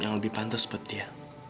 yang lebih pantes seperti dia